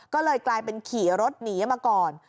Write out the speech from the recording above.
ก็เลยกลายเป็นขี่รถหนีมาก่อน